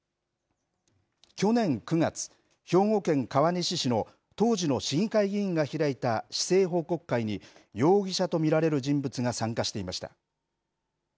去年９月、兵庫県川西市の当時の市議会議員が開いた市政報告会に容疑者と見られる人物が参加していました。